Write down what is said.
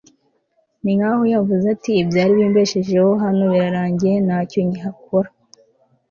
ni nk'aho yavuze ati «ibyari bimbesheje hano birarangiye, nta cyo nkihakora»